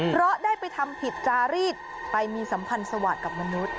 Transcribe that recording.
เพราะได้ไปทำผิดจารีดไปมีสัมพันธ์สวัสดิ์กับมนุษย